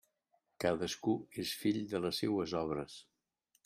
Cadascú és fill de les seues obres.